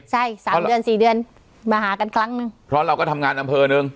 ใช่สามเดือนสี่เดือนมาหากันครั้งหนึ่งเพราะเราก็ทำงานอำเภอหนึ่ง